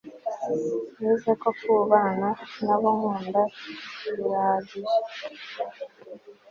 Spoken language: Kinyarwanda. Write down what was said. nize ko kubana nabo nkunda birahagije